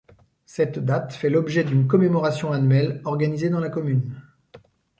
Cette date fait l'objet d'une commémoration annuelle organisée dans la commune.